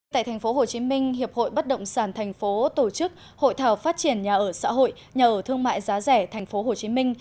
tại tp hcm hiệp hội bất động sản thành phố tổ chức hội thảo phát triển nhà ở xã hội nhà ở thương mại giá rẻ tp hcm